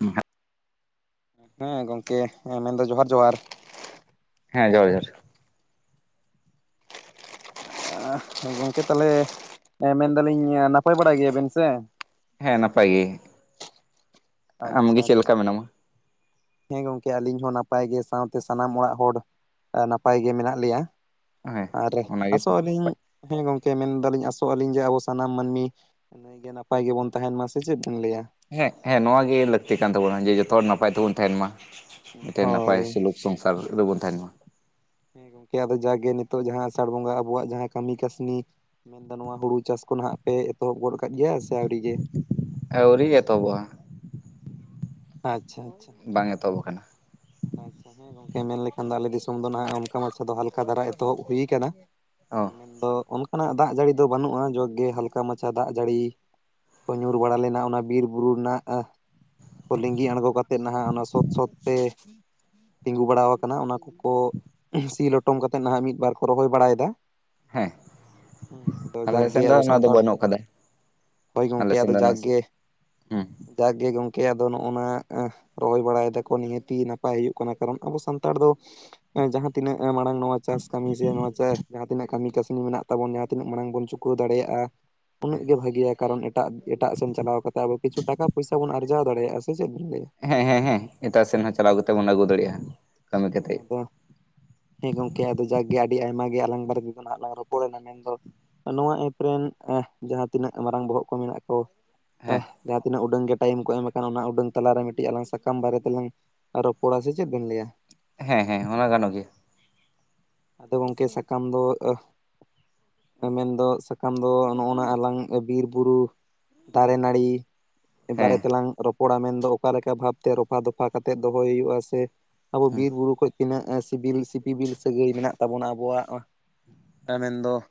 ᱦᱮᱸ ᱦᱮᱸ ᱜᱚᱝᱠᱮᱸ ᱢᱮᱱᱫᱚ ᱡᱚᱦᱟᱨ ᱡᱚᱦᱟᱨ ᱾ ᱦᱮᱸ ᱡᱚᱦᱟᱨ ᱡᱚᱦᱟᱨ ᱾ ᱜᱚᱝᱠᱮ ᱛᱟᱦᱚᱞᱮ ᱢᱮᱱ ᱫᱟᱹᱞᱤᱧ ᱱᱟᱯᱟᱭ ᱵᱟᱲᱟ ᱜᱮᱭᱟᱵᱮᱱ ᱥᱮ? ᱦᱮᱸ ᱱᱟᱯᱟᱭ ᱜᱮ ᱾ ᱟᱪᱪᱷᱟ ᱟᱪᱪᱷᱟ ᱾ ᱢᱮᱱᱟᱢᱟ ᱦᱮᱸ ᱜᱚᱝᱠᱮ ᱟᱹᱞᱤᱧ ᱦᱚᱸ ᱱᱟᱯᱟᱭ ᱜᱮ, ᱥᱟᱶᱛᱮ ᱥᱟᱱᱟᱢ ᱚᱲᱟᱜ ᱦᱚᱲ ᱱᱟᱯᱟᱭ ᱜᱮ ᱢᱮᱱᱟᱜ ᱞᱮᱭᱟ ᱾ ᱦᱮᱸ ᱟᱨ ᱚᱱᱟᱜᱮ ᱟᱥᱚᱜ ᱟᱹᱞᱤᱧ ᱦᱮᱸ ᱜᱚᱢᱠᱮ ᱢᱮᱱ ᱫᱟᱹᱞᱤᱧ ᱟᱥᱚᱜ ᱟᱹᱞᱤᱧ ᱡᱮ ᱟᱵᱚ ᱥᱟᱱᱟᱢ ᱢᱟᱹᱱᱢᱤ ᱱᱟᱹᱭᱜᱮ ᱱᱟᱯᱟᱭ ᱜᱮᱵᱚᱱ ᱛᱟᱦᱮᱱ ᱢᱟ ᱥᱮ ᱪᱮᱫ ᱵᱤᱱ ᱞᱟᱹᱭᱟ? ᱦᱮᱸ ᱦᱮᱸ ᱱᱚᱶᱟ ᱜᱮ ᱞᱟᱹᱠᱛᱤ ᱠᱟᱱ ᱛᱟᱵᱚᱱᱟ ᱡᱮ ᱡᱷᱚᱛᱚ ᱦᱚᱲ ᱱᱟᱯᱟᱭ ᱛᱮᱵᱩᱱ ᱛᱟᱦᱮᱱ ᱢᱟ ᱾ ᱢᱤᱫᱴᱮᱱ ᱱᱟᱯᱟᱭ ᱦᱳᱭ ᱥᱩᱞᱩᱠ ᱥᱚᱝᱥᱟᱨ ᱨᱮᱵᱚᱱ ᱛᱟᱦᱮᱱ ᱢᱟ ᱾ ᱦᱮᱸ ᱜᱚᱝᱠᱮ ᱟᱫᱚ ᱡᱟᱜᱮ ᱱᱤᱛᱚᱜ ᱡᱟᱦᱟᱸ ᱟᱥᱟᱲ ᱵᱚᱸᱜᱟ ᱟᱵᱚᱣᱟᱜ ᱡᱟᱦᱟᱸ ᱠᱟᱹᱢᱤ ᱠᱟᱹᱥᱱᱤ ᱢᱮᱱ ᱫ ᱱᱚᱸᱣᱟ ᱦᱩᱲᱩ ᱪᱟᱥ ᱠᱚ ᱱᱟᱦᱟᱜ ᱯᱮ ᱮᱛᱚᱦᱚᱵ ᱜᱚᱫ ᱠᱟᱜ ᱜᱮᱭᱟ ᱥᱮ ᱟᱹᱣᱨᱤ ᱜᱮ? ᱟᱹᱣᱨᱤ ᱮᱛᱚᱵᱚᱜ-ᱟ ᱾ ᱟᱪᱪᱷᱟ ᱟᱪᱪᱷᱟ ᱾ ᱵᱟᱝ ᱮᱛᱚᱦᱚᱵ ᱟᱠᱟᱱᱟ ᱾ ᱟᱪᱪᱷᱟ ᱦᱮᱸ ᱜᱚᱝᱠᱮ ᱢᱮᱱ ᱞᱮᱠᱷᱟᱱ ᱫᱚ ᱟᱞᱮ ᱫᱤᱥᱚᱢ ᱫᱚ ᱱᱟᱦᱟᱜ ᱚᱱᱠᱟ ᱢᱟᱪᱷᱟ ᱫᱚ ᱦᱟᱞᱠᱟ ᱫᱷᱟᱨᱟ ᱮᱛᱚᱦᱚᱵ ᱦᱩᱭ ᱠᱟᱱᱟ ᱾ ᱚ ᱮᱸ ᱢᱮᱱᱫᱚ ᱚᱱᱠᱟᱱᱟᱜ ᱫᱟᱜ ᱡᱟᱹᱲᱤ ᱫᱚ ᱵᱟᱹᱱᱩᱜ-ᱟ ᱡᱳᱜ ᱜᱮ ᱦᱟᱞᱠᱟ ᱢᱟᱪᱷᱟ ᱫᱟᱜ ᱡᱟᱹᱲᱤ ᱠᱚ ᱧᱩᱨ ᱵᱟᱲᱟ ᱞᱮᱱᱟ ᱚᱱᱟ ᱵᱤᱨ ᱵᱩᱨᱩ ᱨᱮᱱᱟᱜ ᱞᱤᱸᱜᱤ ᱟᱬᱜᱚ ᱠᱟᱛᱮᱫ ᱱᱟᱦᱟᱜ ᱚᱱᱟ ᱥᱚᱛ ᱥᱚᱛ ᱛᱮ ᱛᱤᱸᱜᱩ ᱵᱟᱲᱟ ᱟᱠᱟᱱᱟ ᱚᱱᱟ ᱠᱚᱠᱚ ᱥᱤ ᱞᱚᱴᱚᱢ ᱠᱟᱛᱮᱜ ᱱᱟᱦᱟᱜ ᱢᱤᱫᱵᱟᱨ ᱠᱚ ᱨᱚᱦᱚᱭ ᱵᱟᱲᱟᱭᱮᱫᱟ ᱾ ᱦᱮᱸ ᱦᱮᱸ ᱟᱫᱚ ᱟᱞᱮ ᱡᱟᱠ ᱜᱮ ᱥᱮᱱ ᱫᱚ ᱟᱵᱚ ᱚᱱᱟ ᱫᱚ ᱥᱟᱱᱛᱟᱲ ᱵᱟᱹᱱᱩᱜ ᱟᱠᱟᱫᱟ ᱦᱳᱭ ᱟᱞᱮ ᱜᱚᱢᱠᱮ ᱥᱮᱱ ᱟᱫᱚ ᱫᱚ ᱡᱟᱜ ᱱᱟᱥᱮ ᱜᱮ ᱦᱮᱸ ᱡᱟᱠ ᱜᱮ ᱜᱚᱝᱠᱮ ᱟᱫᱚ ᱱᱚᱜ-ᱚᱱᱟ ᱨᱚᱦᱚᱭ ᱵᱟᱲᱟᱭ ᱫᱟᱠᱚ ᱱᱤᱦᱟᱹᱛᱤ ᱱᱟ ᱱᱟᱯᱟᱭ ᱦᱩᱭᱩᱜ ᱠᱟᱱᱟ ᱾ ᱠᱟᱨᱚᱱ ᱟᱵᱚ ᱥᱟᱱᱛᱟᱲ ᱫᱚ ᱡᱟᱦᱟᱸ ᱛᱤᱱᱟᱹᱜ ᱢᱟᱲᱟᱝ ᱱᱚᱣᱟ ᱪᱟᱥ ᱠᱟᱹᱢᱤ ᱥᱮ ᱡᱟᱦᱟᱸ ᱛᱤᱱᱟᱹᱜ ᱠᱟᱹᱢᱤ ᱠᱟᱹᱥᱱᱤ ᱢᱮᱱᱟᱜ ᱛᱟᱵᱚᱱ ᱡᱟᱦᱟᱸ ᱛᱤᱱᱟᱹᱜ ᱢᱟᱲᱟᱝ ᱵᱚᱱ ᱪᱩᱠᱟᱹᱣ ᱫᱟᱲᱮᱭᱟᱜᱼᱟ ᱩᱱᱟᱹᱜ ᱜᱮ ᱵᱷᱟᱜᱮᱤᱭᱟ ᱾ ᱠᱟᱨᱚᱱ ᱮᱴᱟᱜ ᱮᱴᱟᱜ ᱥᱮᱱ ᱪᱟᱞᱟᱣ ᱠᱟᱛᱮᱫ ᱟᱵᱚ ᱠᱤᱪᱷᱩ ᱴᱟᱠᱟ ᱯᱚᱭᱥᱟ ᱵᱚᱱ ᱟᱨᱡᱟᱣ ᱫᱟᱲᱮᱭᱟᱜᱼᱟ ᱥᱮ ᱥᱮ ᱪᱮᱫ ᱵᱮᱱ ᱞᱮᱭᱟ? ᱦᱮᱸ ᱦᱮᱸ ᱦᱮᱸ ᱮᱴᱟᱜ ᱥᱮᱱ ᱦᱚᱸ ᱪᱟᱞᱟᱣ ᱠᱟᱛᱮ ᱵᱚᱱ ᱟᱹᱜᱩ ᱫᱟᱲᱮᱭᱟᱜᱼᱟ ᱾ ᱦᱮᱸ ᱟᱫᱚ ᱦᱮᱸ ᱜᱚᱝᱠᱮ ᱟᱫᱚ ᱡᱟᱠᱜᱮ ᱟᱹᱰᱤ ᱟᱭᱢᱟ ᱜᱮ ᱟᱞᱟᱝ ᱵᱟᱨ ᱛᱮᱫᱚ ᱞᱟᱝ ᱨᱚᱯᱚᱲᱱᱟ ᱢᱮᱱᱫᱚ ᱱᱚᱣᱟ ᱮᱯ ᱨᱮᱱ ᱡᱟᱦᱟᱸ ᱛᱤᱱᱟᱹᱜ ᱢᱟᱨᱟᱝ ᱵᱚᱦᱚᱜ ᱠᱚ ᱢᱮᱱᱟᱜ ᱠᱚ ᱦᱮᱸ ᱡᱟᱦᱟᱸ ᱛᱤᱱᱟᱹᱜ ᱩᱰᱟᱹᱝ ᱜᱮ ᱴᱟᱭᱤᱢ ᱠᱚ ᱮᱢ ᱟᱠᱟᱱᱟ ᱚᱱᱟ ᱩᱰᱟᱹᱝ ᱛᱟᱞᱟᱨᱮ ᱢᱤᱫᱴᱤᱡ ᱟᱞᱟᱝ ᱥᱟᱠᱟᱢ ᱵᱟᱨᱮ ᱛᱮᱞᱟᱝ ᱨᱚᱯᱚᱲᱟ ᱥᱮ ᱪᱮᱫ ᱵᱮᱱ ᱞᱟᱹᱭᱟ? ᱦᱮᱸ ᱦᱮᱸ ᱚᱱᱟ ᱜᱟᱱᱚ ᱦᱚ ᱜᱮᱭᱟ ᱾ ᱟᱫᱚ ᱜᱚᱝᱠᱮ ᱥᱟᱠᱟᱢ ᱫᱚ ᱢᱮᱱᱫᱚ ᱥᱟᱠᱟᱢ ᱫᱚ ᱱᱚᱜᱼᱚᱱᱟ ᱟᱞᱟᱝ ᱵᱤᱨ ᱵᱩᱨᱩ ᱫᱟᱨᱮ, ᱱᱟᱹᱲᱤ ᱦᱮᱸ ᱵᱟᱨᱮ ᱛᱮᱞᱟᱝ ᱨᱚᱯᱚᱲᱟ ᱢᱮᱱᱫᱚ ᱚᱠᱟᱞᱮᱠᱟ ᱵᱷᱟᱵᱛᱮ ᱨᱚᱯᱷᱟ ᱫᱚᱯᱷᱟ ᱠᱟᱛᱮᱫ ᱫᱚᱦᱚᱭ ᱦᱩᱭᱩᱜᱼᱟ ᱥᱮ ᱟᱵᱚ ᱦᱮᱸ ᱵᱤᱨ ᱵᱩᱨᱩ ᱠᱷᱚᱡ ᱛᱤᱱᱟᱹᱜ ᱥᱤᱵᱤᱞ ᱥᱤᱯᱤᱵᱤᱞ ᱥᱟᱹᱜᱟᱹᱭ ᱢᱮᱱᱟᱜ ᱛᱟᱵᱚᱱᱟ ᱟᱵᱚᱣᱟᱜ ᱾ ᱢᱮᱱ ᱫᱚ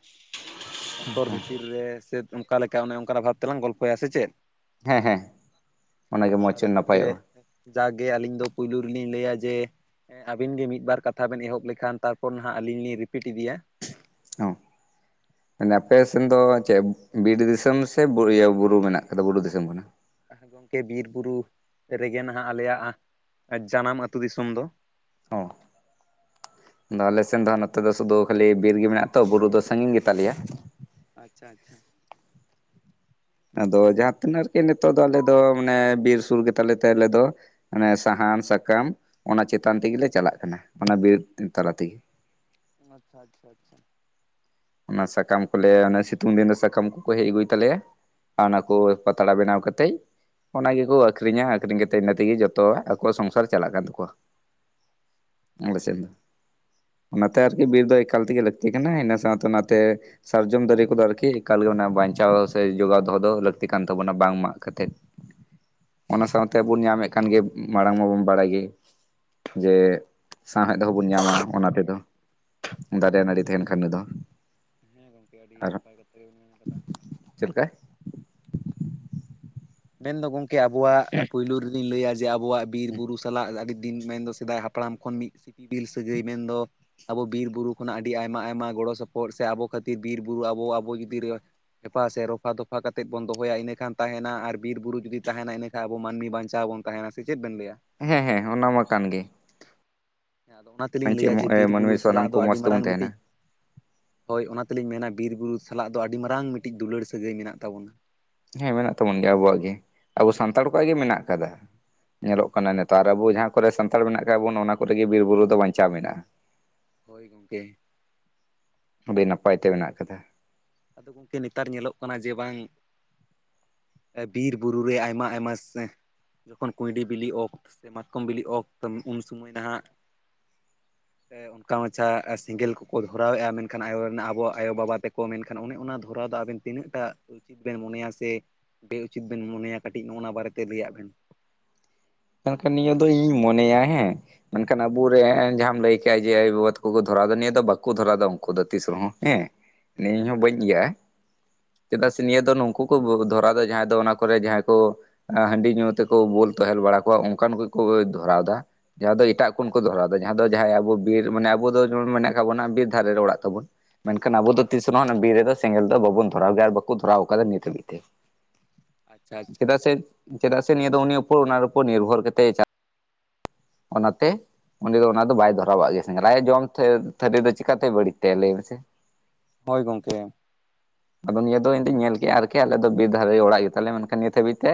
ᱚᱱᱛᱚᱨ ᱵᱷᱤᱛᱤᱨ ᱨᱮ ᱥᱮ ᱚᱱᱠᱟ ᱞᱮᱠᱟ ᱚᱱᱮ ᱚᱱᱠᱟᱱᱟᱜ ᱵᱷᱟᱵᱽ ᱛᱮᱞᱟᱝ ᱜᱚᱞᱯᱷᱚᱭᱟ ᱥᱮ ᱪᱮᱫ? ᱦᱮᱸ ᱦᱮᱸ ᱚᱱᱟᱜᱮ ᱢᱚᱪ ᱱᱟᱯᱟᱭᱚᱜᱼᱟ ᱾ ᱡᱟᱠᱜᱮ ᱟᱹᱞᱤᱧ ᱫᱚ ᱯᱩᱭᱞᱩ ᱨᱮᱞᱤᱧ ᱞᱟᱹᱭᱟ ᱡᱮ ᱟᱵᱤᱱ ᱜᱮ ᱢᱤᱫᱵᱟᱨ ᱠᱟᱛᱷᱟ ᱵᱮᱱ ᱞᱮᱠᱷᱟᱱ ᱛᱟᱨᱯᱚᱨ ᱱᱟᱦᱟᱜ ᱟᱹᱞᱤᱧ ᱞᱤᱧ ᱨᱤᱯᱤᱴ ᱤᱫᱤᱭᱟ ᱾ ᱦᱚᱸ ᱟᱯᱮ ᱥᱮᱱ ᱫᱚ ᱪᱮᱫ ᱵᱤᱨ ᱫᱤᱥᱚᱢ ᱥᱮ ᱵᱩᱨᱩ ᱢᱮᱱᱟᱜ ᱠᱟᱫᱟ ᱵᱩᱨᱩ ᱫᱤᱥᱚᱢ ᱠᱟᱱᱟ? ᱜᱚᱢᱠᱮ ᱵᱤᱨ ᱵᱩᱨᱩ ᱨᱮᱜᱮ ᱱᱟᱦᱟᱜ ᱟᱞᱮᱭᱟᱜ ᱡᱟᱱᱟᱢ ᱟᱹᱛᱩ ᱫᱤᱥᱚᱢ ᱫᱚ ᱾ ᱚ ᱟᱫᱚ ᱟᱞᱮ ᱥᱮᱱ ᱫᱚ ᱱᱚᱛᱮ ᱫᱚ ᱥᱩᱫᱩ ᱠᱷᱟᱹᱞᱤ ᱵᱤᱨ ᱜᱮ ᱢᱮᱱᱟᱜ ᱟᱛᱚ ᱵᱩᱨᱩ ᱫᱚ ᱥᱟᱺᱜᱤᱧ ᱜᱮ ᱛᱟᱞᱮᱭᱟ ᱾ ᱟᱪᱪᱷᱟ ᱟᱪᱪᱷᱟ ᱟᱫᱚ ᱡᱟᱦᱟᱸ ᱛᱤᱱᱟᱹᱜ ᱨᱮᱜᱮ ᱱᱤᱛᱚᱜ ᱫᱚ ᱟᱞᱮ ᱫᱚ ᱢᱟᱱᱮ ᱵᱤᱨ ᱥᱩᱨ ᱜᱮᱛᱟᱞᱮ ᱛᱮ ᱟᱞᱮ ᱫᱚ ᱟᱱᱮ ᱥᱟᱦᱟᱱ ᱥᱟᱠᱟᱢ ᱚᱱᱟ ᱪᱮᱛᱟᱱ ᱛᱮᱜᱮᱞᱮ ᱪᱟᱞᱟᱜ ᱠᱟᱱᱟ ᱚᱱᱟ ᱵᱤᱨ ᱛᱟᱞᱟ ᱛᱮᱜᱮ ᱟᱪᱪᱷᱟ ᱟᱪᱪᱷᱟ ᱟᱪᱪᱷᱟ ᱚᱱᱟ ᱥᱟᱠᱟᱢ ᱠᱚᱞᱮ ᱟᱱᱟ ᱥᱤᱛᱩᱝ ᱫᱤᱱ ᱨᱮ ᱥᱟᱠᱟᱢ ᱠᱚᱠᱚ ᱦᱮᱡ ᱟᱹᱜᱩᱭ ᱛᱟᱞᱮᱭᱟ ᱟᱨ ᱚᱱᱟ ᱠᱚ ᱯᱟᱛᱲᱟ ᱵᱮᱱᱟᱣ ᱠᱟᱛᱮᱡ ᱚᱱᱟ ᱜᱮᱠᱚ ᱟᱠᱷᱨᱤᱧᱟ ᱟᱠᱷᱨᱤᱧ ᱠᱟᱛᱮᱫ ᱤᱱᱟᱹ ᱛᱮᱜᱮ ᱡᱚᱛᱚ ᱟᱠᱚᱣᱟᱜ ᱥᱚᱝᱥᱟᱨ ᱪᱟᱞᱟᱜ ᱠᱟᱱ ᱛᱟᱠᱚᱣᱟ ᱟᱞᱮ ᱥᱮᱱᱫᱚ ᱟᱱᱟ ᱛᱮ ᱟᱨᱠᱤ ᱵᱤᱨ ᱫᱚ ᱮᱠᱟᱞ ᱛᱮᱜᱮ ᱞᱟᱹᱠᱛᱤ ᱠᱟᱱᱟ ᱤᱱᱟᱹ ᱥᱟᱶᱛᱮ ᱛᱚᱱᱟᱛᱮ ᱥᱟᱨᱡᱚᱢ ᱫᱟᱨᱮ ᱠᱚᱫᱚ ᱟᱨᱠᱤ ᱮᱠᱟᱞ ᱜᱮ ᱚᱱᱟ ᱵᱟᱧᱪᱟᱣ ᱫᱚ ᱥᱮ ᱡᱚᱜᱟᱣ ᱫᱚᱦᱚ ᱫᱚ ᱞᱟᱹᱠᱛᱤ ᱠᱟᱱ ᱛᱟᱵᱚᱱᱟ ᱵᱟᱝ ᱢᱟᱜ ᱠᱟᱛᱮᱫ [inaudible] ᱚᱱᱟ ᱟᱪᱪᱷᱟ ᱥᱟᱶᱛᱮᱵᱚᱱ ᱟᱪᱪᱷᱟ ᱧᱟᱢᱮᱫ ᱠᱟᱱ ᱜᱮ ᱢᱟᱲᱟᱝ ᱢᱟᱵᱚᱱ ᱵᱟᱲᱟᱭ ᱜᱮ ᱡᱮ ᱥᱟᱶᱦᱮᱫ ᱦᱚᱵᱚᱱ ᱧᱟᱢᱟ ᱚᱱᱟ ᱛᱮᱫᱚ ᱫᱟᱨᱮ ᱱᱟᱹᱲᱤ ᱛᱟᱦᱮᱱ ᱠᱷᱟᱱ ᱜᱮ ᱫᱚ ᱦᱮᱸ ᱜᱚᱝᱠᱮ ᱟᱹᱰᱤ ᱜᱮ ᱟᱨ ᱱᱟᱯᱟᱭ ᱠᱟᱛᱷᱟ ᱜᱮᱢ ᱢᱮᱱ ᱟᱠᱟᱫᱟ ᱪᱮᱫ ᱞᱮᱠᱟ ᱢᱮᱱᱫᱚ ᱜᱚᱢᱠᱮ ᱟᱵᱚᱣᱟᱜ ᱯᱩᱭᱭᱞᱳ ᱨᱮᱞᱤᱧ ᱞᱟᱹᱭᱟ ᱡᱮ ᱟᱵᱚᱣᱟᱜ ᱵᱤᱨ ᱵᱩᱨᱩ ᱥᱟᱞᱟᱜ ᱟᱹᱰᱤ ᱫᱤᱱ ᱢᱮᱱᱫᱚ ᱥᱮᱫᱟᱭ ᱦᱟᱯ ᱦᱟᱯᱲᱟᱢ ᱠᱷᱚᱱ ᱢᱤᱫ ᱥᱤᱯᱤᱵᱤᱞ ᱥᱟᱹᱜᱟᱹᱭ ᱢᱮᱱᱫᱚ ᱟᱵᱚ ᱵᱤᱨᱵᱩᱨᱩ ᱠᱷᱚᱱᱟᱜ ᱟᱹᱰᱤ ᱟᱭᱢᱟ ᱟᱭᱢᱟ ᱜᱚᱲᱚ ᱥᱚᱯᱚᱦᱚᱫ ᱥᱮ ᱟᱵᱚ ᱠᱷᱟᱹᱛᱤᱨ ᱵᱤᱨᱼᱵᱩᱨᱩ ᱟᱵᱚ ᱟᱵᱚ ᱡᱩᱫᱤ ᱨᱮᱯᱷᱟ ᱥᱮ ᱨᱚᱯᱷᱟ ᱫᱚᱯᱷᱟ ᱠᱟᱛᱮᱫ ᱵᱚᱱ ᱫᱚᱦᱚᱭᱟ ᱤᱱᱟᱹᱠᱷᱟᱱ ᱛᱟᱦᱮᱱᱟ ᱟᱨ ᱵᱤᱨ ᱵᱩᱨᱩ ᱡᱩᱫᱤ ᱛᱟᱦᱮᱱᱟ ᱤᱱᱟᱹᱠᱷᱟᱱ ᱟᱵᱚ ᱢᱟᱹᱱᱢᱤ ᱵᱟᱧᱪᱟᱣ ᱵᱚᱱ ᱛᱟᱦᱮᱱᱟ ᱥᱮ ᱪᱮᱫ ᱵᱮᱱ ᱞᱟᱹᱭᱟ ᱦᱮᱸ ᱦᱮᱸ ᱚᱱᱟ ᱢᱟ ᱠᱟᱱ ᱜᱮ ᱟᱫᱚ ᱚᱱᱟ ᱛᱮᱞᱤᱧ ᱵᱟᱧᱪᱮ ᱞᱟᱹᱭᱟ ᱡᱮ ᱵᱤᱨᱵᱩᱨᱩ ᱢᱟᱹᱱᱢᱤ ᱥᱟᱞᱟᱜ ᱥᱟᱱᱟᱢ ᱫᱚ ᱠᱚ ᱟᱹᱰᱤ ᱢᱚᱸᱡᱽ ᱛᱮᱵᱚᱱ ᱢᱟᱨᱟᱝ ᱛᱟᱦᱮᱱᱟ ᱢᱤᱫᱴᱤᱡ ᱦᱳᱭ ᱚᱱᱟ ᱛᱮᱞᱤᱧ ᱢᱮᱱᱟ ᱵᱤᱨ ᱵᱩᱨᱩ ᱥᱟᱞᱟᱜ ᱫᱚ ᱟᱹᱰᱤ ᱢᱟᱨᱟᱝ ᱢᱤᱫᱴᱤᱡ ᱫᱩᱞᱟᱹᱲ ᱥᱟᱹᱜᱟᱹᱭ ᱢᱮᱱᱟᱜ ᱛᱟᱵᱚᱱᱟ ᱦᱮᱸ ᱢᱮᱱᱟᱜ ᱛᱟᱵᱚᱱ ᱜᱮᱭᱟ ᱟᱵᱚᱣᱟᱜ ᱜᱮ ᱟᱵᱚ ᱥᱟᱱᱛᱟᱲ ᱠᱚᱣᱟᱜ ᱜᱮ ᱢᱮᱱᱟᱜ ᱠᱟᱫᱟ ᱧᱮᱞᱚᱜ ᱠᱟᱱᱟ ᱱᱮᱛᱟᱨ ᱟᱵᱚ ᱡᱟᱦᱟᱸ ᱠᱚᱨᱮ ᱥᱟᱱᱛᱟᱲ ᱢᱮᱱᱟᱜ ᱠᱟᱜ ᱵᱚᱱᱟ ᱚᱱᱟ ᱠᱚᱨᱮ ᱜᱮ ᱵᱤᱨ ᱵᱩᱨᱩ ᱫᱚ ᱵᱟᱧᱪᱟᱣ ᱢᱮᱱᱟᱜᱼᱟ [inaudible] ᱦᱳᱭ ᱜᱚᱝᱠᱮ ᱟᱹᱰᱤ ᱱᱟᱯᱟᱭ ᱛᱮ ᱢᱮᱱᱟᱜ ᱠᱟᱫᱟ ᱟᱫᱚ ᱜᱚᱝᱠᱮ ᱱᱮᱛᱟᱨ ᱧᱮᱞᱚᱜ ᱠᱟᱱᱟ ᱡᱮ ᱵᱟᱝ ᱵᱤᱨ ᱵᱩᱨᱩᱨᱮ ᱟᱭᱢᱟ ᱟᱭᱢᱟ ᱥᱮᱸ ᱡᱚᱠᱷᱚᱱ ᱠᱩᱸᱩᱭᱰᱤ ᱵᱤᱞᱤ ᱚᱠᱛᱥ ᱥᱮ ᱢᱟᱛᱠᱚᱢ ᱵᱤᱞᱤ ᱚᱠ ᱩᱱ ᱥᱚᱢᱚᱭ ᱱᱟᱦᱟᱜ ᱚᱱᱠᱟ ᱢᱟᱪᱷᱟ ᱥᱮᱸᱜᱮᱞ ᱠᱚᱠᱚ ᱫᱷᱚᱨᱟᱣᱮᱫᱼᱟ ᱢᱮᱱᱠᱷᱟᱱ ᱟᱭᱚ ᱨᱮᱱᱟᱜ ᱟᱵᱟᱣᱟᱜ ᱟᱭᱳ ᱵᱟᱵᱟ ᱛᱮᱠᱚ ᱢᱮᱱᱠᱷᱟᱱ ᱮᱱᱠᱷᱟᱱ ᱚᱱᱮ ᱚᱱᱟ ᱫᱷᱚᱨᱟᱣ ᱫᱚ ᱟᱵᱮᱱ ᱛᱤᱱᱟᱹᱜ ᱴᱟᱜ ᱩᱪᱤᱛ ᱵᱮᱱ ᱢᱚᱱᱮᱭᱟ ᱥᱮ ᱵᱮ ᱩᱪᱤᱛ ᱵᱮᱱ ᱢᱚᱱᱮᱭᱟ ᱠᱟᱹᱴᱤᱡ ᱱᱚᱜᱼᱚ ᱱᱟᱣᱟ ᱵᱟᱨᱮ ᱛᱮ ᱞᱟᱹᱭᱟᱜ ᱵᱮᱱ ᱢᱮᱱᱠᱷᱟᱱ ᱱᱤᱭᱟᱹ ᱫᱚ ᱤᱧᱤᱧ ᱢᱚᱱᱮᱭᱟ ᱦᱮᱸ ᱢᱮᱱᱠᱷᱟᱱ ᱟᱵᱚᱨᱮᱱ ᱡᱟᱦᱟᱸᱟᱢ ᱞᱟᱹᱭ ᱠᱮᱜᱼᱟ ᱡᱮ ᱟᱭᱳᱵᱟ ᱵᱟᱵᱟ ᱛᱟᱠᱚ ᱠᱚ ᱫᱷᱚᱨᱟᱣᱫᱟ ᱱᱤᱭᱟᱹ ᱫᱚ ᱵᱟᱠᱚ ᱫᱷᱚᱨᱟᱣᱫᱟ ᱩᱱᱠᱩ ᱫᱚ ᱛᱤᱥ ᱨᱮᱦᱚᱸ ᱦᱮᱸ ᱱᱮᱧ ᱦᱚᱸ ᱵᱟᱹᱧ ᱟᱪᱪᱷᱟ ᱟᱪᱪᱷᱟ ᱤᱭᱟᱜᱼᱟ᱾ ᱪᱮᱫᱟᱜ ᱥᱮ ᱱᱤᱭᱟᱹ ᱫᱚ ᱱᱩᱝᱠᱩ ᱠᱚ ᱫᱷᱚᱨᱟ ᱫᱚ ᱡᱟᱦᱟᱸᱭ ᱫᱚ ᱚᱱᱟ ᱠᱚᱨᱮ ᱡᱟᱦᱟᱸᱭ ᱠᱚ ᱦᱟᱺᱰᱤ ᱧᱩ ᱛᱮᱠᱚ ᱵᱳᱚᱞ ᱛᱦᱮᱞ ᱵᱟᱲᱟ ᱠᱚᱜᱼᱟ ᱚᱱᱠᱟᱱ ᱠᱚᱠᱚ ᱫᱷᱚᱨᱟᱣ ᱮᱫᱟ ᱡᱟᱦᱟᱸ ᱫᱚ ᱮᱴᱟᱜ ᱠᱷᱚᱱ ᱟᱪᱪᱷᱟ ᱠᱚ ᱫᱷᱚᱨᱟᱣ ᱟᱫᱟ᱾ ᱡᱟᱦᱟᱸ ᱫᱚ ᱡᱟᱦᱟᱸᱭ ᱟᱵᱚ ᱵᱤᱨ ᱚᱱᱮ ᱟᱵᱚ ᱫᱚ ᱡᱮᱢᱚᱱ ᱢᱮᱱᱟᱜ ᱠᱟᱜ ᱵᱚᱱᱟ ᱵᱤᱨ ᱫᱷᱟᱨᱮ ᱨᱮ ᱚᱲᱟᱜ ᱛᱟᱵᱚᱱ ᱢᱮᱱᱠᱷᱟᱱ ᱟᱵᱚ ᱫᱚ ᱛᱤᱥ ᱨᱮᱦᱚ ᱵᱤᱨ ᱨᱮᱫᱚ ᱥᱮᱸᱜᱮᱞ ᱫᱚ ᱵᱟᱵᱚᱱ ᱫᱷᱚᱨᱟᱣ ᱜᱮᱭᱟ ᱟᱨ ᱵᱟᱠᱚ ᱫᱷᱚᱨᱟᱣ ᱠᱟᱫᱟ ᱱᱤᱛ ᱦᱟᱹᱵᱤᱡ ᱛᱮ᱾ ᱟᱪᱪᱷᱟ ᱟᱪᱪᱷᱟ ᱪᱮᱫᱟᱜ ᱥᱮ ᱪᱮᱫᱟᱜ ᱥᱮ ᱱᱤᱭᱟᱹ ᱫᱚ ᱩᱱᱤ ᱩᱯᱚᱨ ᱚᱱᱟ ᱩᱯᱚᱨ ᱱᱤᱨᱵᱷᱚᱨ ᱠᱟᱛᱮ ᱪᱟᱞᱟᱜ ᱚᱱᱟᱛᱮ ᱚᱰᱮ ᱫᱚ ᱚᱱᱟ ᱫᱚ ᱵᱟᱭ ᱫᱷᱚᱨᱟᱣᱟᱜ ᱜᱮᱭᱟ ᱥᱮ ᱟᱭᱟᱜ ᱡᱚᱢ ᱛᱷᱟᱹᱨᱤ ᱫᱚ ᱪᱤᱠᱠᱟᱛᱮᱭ ᱵᱟᱹᱲᱤᱡ ᱛᱟᱭᱟ ᱞᱟᱹᱭ ᱢᱮᱥᱮ ᱦᱳᱭ ᱜᱚᱝᱠᱮ ᱟᱫᱚ ᱱᱤᱭᱟᱹ ᱫᱚ ᱤᱧ ᱫᱧ ᱧᱮᱞ ᱠᱮᱫᱼᱟ ᱟᱹᱨᱠᱤ ᱟᱞᱮ ᱫᱚ ᱵᱤᱨ ᱫᱷᱟᱨᱮ ᱚᱲᱟᱜ ᱜᱮᱛᱟᱞᱮᱭᱟ ᱢᱮᱱᱠᱷᱟᱱ ᱱᱤᱛ ᱦᱟᱹᱵᱤᱡ ᱛᱮ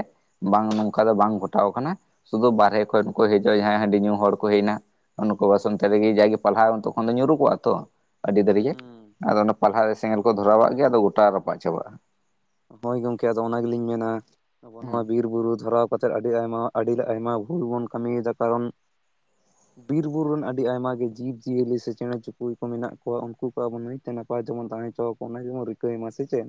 ᱵᱟᱝ ᱱᱚᱝᱠᱟ ᱫᱚ ᱵᱟᱝ ᱜᱷᱚᱴᱟᱣ ᱠᱟᱱᱟ ᱥᱩᱫᱩ ᱵᱟᱦᱨᱮ ᱠᱷᱚᱡ ᱠᱚ ᱦᱮᱡ ᱡᱟᱦᱟᱸᱭ ᱦᱟᱺᱰᱤ ᱧᱩ ᱦᱚᱲ ᱠᱚ ᱦᱮᱡ ᱮᱱᱟ ᱩᱱᱩᱠᱩ ᱵᱟᱥ ᱚᱱ ᱛᱮ ᱨᱮᱜᱮ ᱡᱟᱜᱮ ᱯᱟᱞᱦᱟᱣ ᱛᱚᱠᱷᱚᱱ ᱫᱚ ᱧᱩᱨᱩ ᱠᱚᱜᱼᱟ ᱛᱚ ᱟᱹᱰᱤ ᱫᱟᱹᱨ ᱜᱮ ᱦᱩᱸ ᱟᱫᱚ ᱚᱱᱟ ᱯᱟᱞᱦᱟᱣ ᱨᱮ ᱥᱮᱸᱜᱮᱞ ᱠᱚ ᱫᱷᱚᱨᱟᱣᱟᱜ ᱜᱮ ᱟᱫᱚ ᱜᱚᱴᱟ ᱨᱟᱯᱟᱜ ᱪᱟᱵᱟᱜᱼᱟ᱾ ᱦᱳᱭ ᱜᱚᱝᱠᱮ ᱟᱫᱚ ᱚᱱᱟ ᱜᱮᱞᱤᱧ ᱢᱮᱱᱟ ᱱᱚᱜᱼᱚ ᱱᱟᱣᱟ ᱦᱩᱸ ᱵᱤᱨ ᱵᱤᱨ ᱵᱩᱨᱩ ᱫᱷᱚᱨᱟᱣ ᱠᱟᱛᱮᱫ ᱟᱹᱰᱤ ᱟᱭᱢᱟ ᱟᱹᱰᱤ ᱟᱭᱢᱟ ᱵᱷᱩᱞ ᱵᱚᱱ ᱠᱟᱹᱢᱤᱭᱮᱫᱟ ᱠᱟᱨᱚᱱ [unintelligible] ᱵᱤᱨ ᱵᱩᱨᱩ ᱨᱮᱱ ᱟᱹᱰᱤ ᱟᱭᱢᱟ ᱜᱮ ᱡᱤᱵᱽᱡᱤᱭᱟᱹᱞᱤ ᱥᱮ ᱪᱮᱬᱮ ᱪᱩᱯᱲᱤ ᱠᱚ ᱢᱮᱱᱟᱜ ᱠᱚᱣᱟ ᱩᱱᱠᱩ ᱠᱚ ᱟᱵᱚ ᱱᱟᱹᱭ ᱛᱮ ᱱᱟᱯᱟᱭ ᱛᱮᱵᱚᱱ ᱛᱟᱦᱮ ᱦᱚᱪᱚᱣᱟ ᱠᱚ [inaudible] ᱨᱤᱠᱟᱹᱭ ᱢᱟ ᱥᱮ ᱪᱮᱫ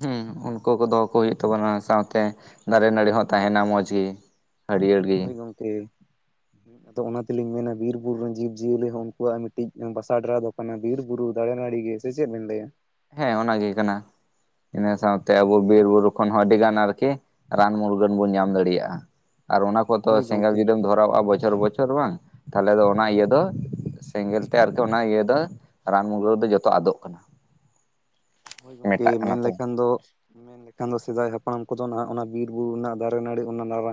ᱦᱮᱸ ᱩᱱᱠᱩ ᱠᱚ ᱫᱚᱦᱚ ᱠᱚ ᱦᱩᱭᱩᱜ ᱛᱟᱵᱚᱱᱟ ᱥᱟᱶᱛᱮ ᱫᱟᱨᱮ ᱱᱟᱹᱲᱤ ᱦᱚᱸ ᱛᱟᱦᱮᱱᱟ ᱢᱚᱡᱽ ᱜᱮ ᱦᱟᱹᱨᱭᱟᱹᱲ ᱜᱤ ᱴᱷᱤᱠ ᱟᱫᱚ ᱚᱱᱟ ᱛᱮᱞᱤᱧ ᱢᱮᱱᱟ ᱵᱤᱨ ᱵᱩᱨᱩ ᱨᱮᱱ ᱡᱤᱵᱽᱡᱤᱭᱟᱹᱞᱤ ᱦᱚᱸ ᱩᱱᱠᱩᱣᱟᱜ ᱢᱤᱫᱴᱤᱡ ᱵᱟᱥᱟ ᱰᱮᱨᱟ ᱫᱚ ᱚᱱᱟ ᱵᱤᱨ ᱵᱩᱨᱩ ᱫᱟᱨᱮ ᱱᱟᱲᱤ ᱜᱮ ᱥᱮ ᱪᱮᱫ ᱵᱤᱱ ᱞᱟᱹᱭᱟ᱾ ᱦᱮᱸ ᱚᱱᱟᱜᱮ ᱠᱟᱱᱟ᱾ ᱤᱱᱟᱹ ᱥᱟᱶᱛᱮ ᱟᱵᱚ ᱵᱤᱨ ᱵᱩᱨᱩ ᱠᱷᱚᱱ ᱦᱚᱸ ᱟᱹᱰᱤ ᱜᱟᱱ ᱟᱨᱠᱤ ᱨᱟᱱ ᱢᱩᱨᱜᱟᱹᱱ ᱵᱚᱱ ᱧᱟᱢ ᱫᱟᱲᱮᱭᱟᱜᱼᱟ᱾ ᱟᱨ ᱚᱱᱟ ᱠᱚᱫᱚ ᱦᱳᱭ ᱥᱮᱸᱜᱮᱞ ᱜᱚᱝᱠᱮ ᱡᱩᱫᱤᱢ ᱫᱷᱚ ᱠᱚᱨᱟᱼᱟ ᱵᱚᱪᱷᱚᱨ ᱵᱚᱪᱷᱚᱨ ᱵᱟᱝ ᱛᱟᱦᱚᱞᱮ ᱫᱚ ᱚᱱᱟ ᱤᱭᱟᱹ ᱫᱚ ᱥᱮᱸᱜᱮᱞ ᱛᱮ ᱟᱨᱠᱤ ᱚᱱᱟ ᱤᱭᱟᱹ ᱫᱚ ᱨᱟᱱ ᱢᱩᱨᱜᱟᱹᱱ ᱫᱚ ᱡᱚᱛᱚ ᱟᱫᱚᱜ ᱠᱟᱱᱟ᱾ ᱢᱮᱴᱟᱜ [inaudible] ᱠᱟᱱᱟ ᱢᱮᱱ ᱛᱚ ᱞᱮᱠᱷᱟᱱ ᱫᱚ ᱢᱮᱱ ᱞᱮᱠᱷᱟᱱ ᱫᱚ ᱥᱮᱫᱟᱭ ᱦᱟᱯᱲᱟᱢ ᱠᱚᱫᱚ ᱱᱟᱦᱟᱜ ᱚᱱᱟ ᱵᱤᱨ ᱵᱩᱨᱩ ᱨᱮᱱᱟᱜ ᱫᱟᱨᱮ ᱱᱟᱹᱲᱤ ᱚᱱᱟ ᱱᱟᱨᱟ